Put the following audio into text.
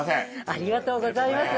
ありがとうございます。